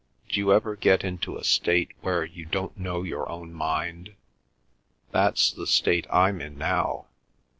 D'you ever get into a state where you don't know your own mind? That's the state I'm in now.